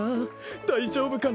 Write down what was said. だいじょうぶかな。